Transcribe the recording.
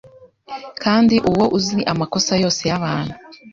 Kandi uwo uzi amakosa yose yabantu